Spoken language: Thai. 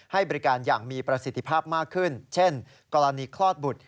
ให้บริการอย่างมีประสิทธิภาพมากขึ้นเช่นกรณีคลอดบุตร